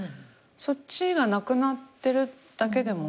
そっちがなくなってるだけでも。